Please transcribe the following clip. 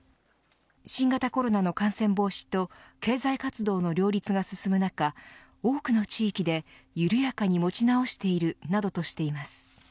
新型コロナの感染防止と経済活動の両立が進む中多くの地域で緩やかに持ち直しているなどとしています。